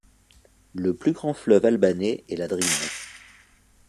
Le plus grand fleuve albanais est la Drin.